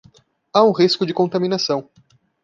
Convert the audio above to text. Há um risco de contaminação